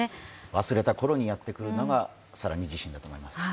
忘れたころにやってくるのが更に地震だと思います。